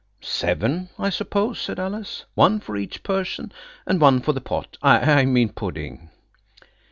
"Seven, I suppose," said Alice; "one for each person and one for the pot–I mean pudding."